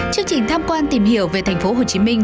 chương trình tham quan tìm hiểu về thành phố hồ chí minh